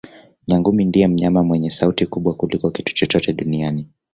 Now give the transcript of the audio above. Nyangumi ndiye mnyama mwenye sauti kubwa kuliko kitu chochote duniani